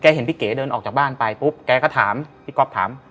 เห็นพี่เก๋เดินออกจากบ้านไปปุ๊บแกก็ถามพี่ก๊อฟถาม